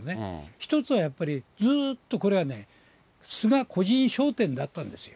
１つはやっぱり、ずーっとこれはね、菅個人商店だったんですよ。